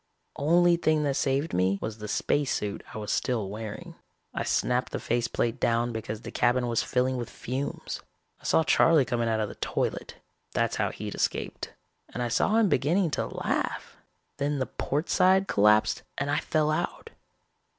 Only thing that saved me was the spacesuit I was still wearing. I snapped the face plate down because the cabin was filling with fumes. I saw Charley coming out of the toilet that's how he'd escaped and I saw him beginning to laugh. Then the port side collapsed and I fell out.